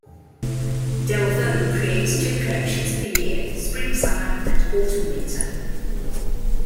Delvaux creates two collections per year, Spring-Summer and Autumn-Winter.